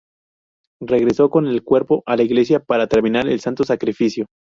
Regresó con el cuerpo a la iglesia para terminar el Santo Sacrificio.